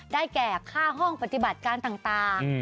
แก่ค่าห้องปฏิบัติการต่าง